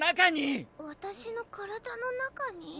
私の体の中に？